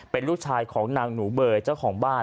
เป็นลูกชายของนางหนูเบอร์เจ้าของบ้าน